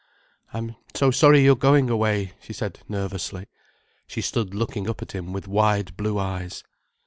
"I am so sorry you're going away," she said nervously. She stood looking up at him with wide blue eyes.